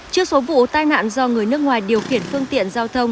trước số vụ tai nạn do người nước ngoài điều khiển phương tiện giao thông